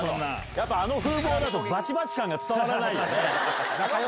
やっぱ、あの風貌だとばちばち感が伝わらないよね。